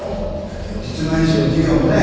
実務演習の授業もね